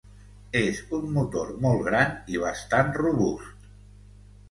És un motor molt gran i bastant robust.